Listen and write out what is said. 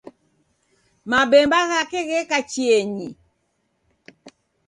Mabemba ghake gheka chienyi